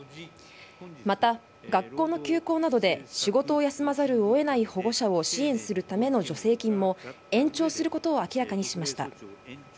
また学校の休校などで仕事を休まざるをえない保護者を支援するための助成金も延長することを明らかにしました。